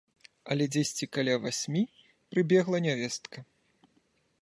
Але дзесьці каля васьмі прыбегла нявестка.